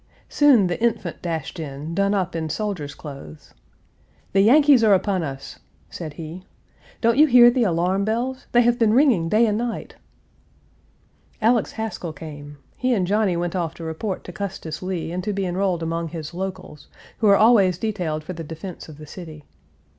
Soon the Infant dashed in, done up in soldier's clothes: "The Yankees are upon us!" said he. "Don't you hear the alarm bells? They have been ringing day and night!" Alex Haskell came; he and Johnny went off to report to Custis Lee and to be enrolled among his "locals," who are always detailed for the defense of the city.